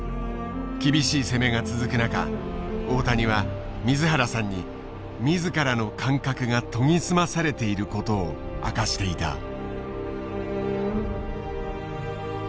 厳しい攻めが続く中大谷は水原さんに自らの感覚が研ぎ澄まされていることを明かしていた。